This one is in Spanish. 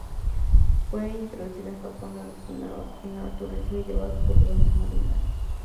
Fue introducido en Japón, donde se naturalizó y lleva cultivándose más de mil años.